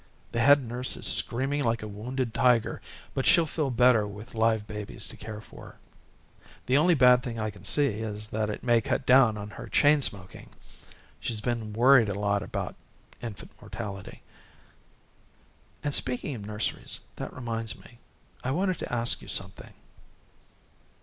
The head nurse is screaming like a wounded tiger, but she'll feel better with live babies to care for. The only bad thing I can see is that it may cut down on her chain smoking. She's been worried a lot about infant mortality. "And speaking of nurseries that reminds me. I wanted to ask you something."